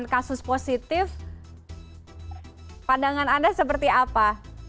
dan kasus positif pandangan anda seperti apa